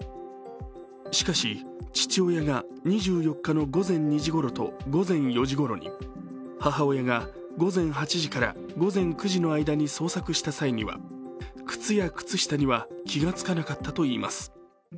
しかし、父親が２４日の午前２時ごろと午前４時ごろに、母親が午前８時から午前９時の間に捜索した際には靴や靴下には気がつかなかったといいます。